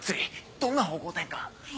どんな方向転換？